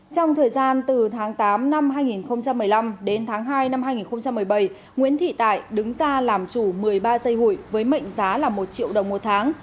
trong thời gian từ tháng tám năm hai nghìn một mươi năm đến tháng hai năm hai nghìn một mươi bảy nguyễn thị tại đứng ra làm chủ một mươi ba dây hụi với mệnh giá là một triệu đồng một tháng